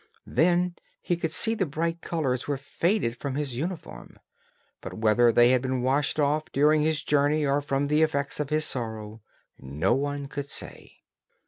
Then he could see that the bright colors were faded from his uniform, but whether they had been washed off during his journey or from the effects of his sorrow, no one could say.